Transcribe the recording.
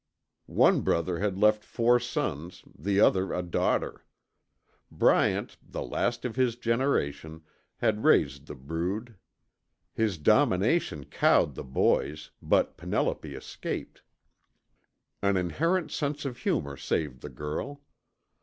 One brother had left four sons, the other a daughter. Bryant, the last of his generation, had raised the brood. His domination cowed the boys, but Penelope escaped. An inherent sense of humor saved the girl.